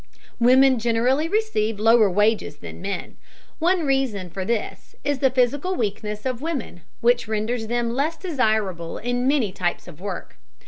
Women generally receive lower wages than men. One reason for this is the physical weakness of women, which renders them less desirable in many types of work.